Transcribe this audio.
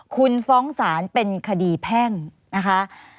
คุณฟ้องศาลเป็นคดีแพ่งนะคะ